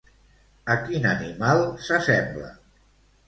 A quin animal s'assembla?